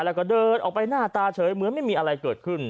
แล้วก็เดินออกไปหน้าตาเฉยเหมือนไม่มีอะไรเกิดขึ้น